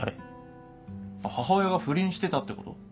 母親が不倫してたってこと？